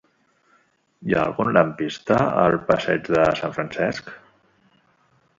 Hi ha algun lampista al passeig de Sant Francesc?